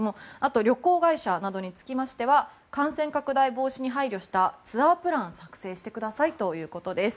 旅行会社などにつきましては感染拡大防止に配慮したツアープラン作成してくださいということです。